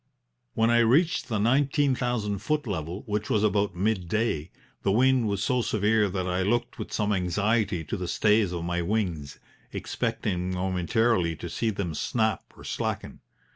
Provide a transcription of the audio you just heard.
"When I reached the nineteen thousand foot level, which was about midday, the wind was so severe that I looked with some anxiety to the stays of my wings, expecting momentarily to see them snap or slacken.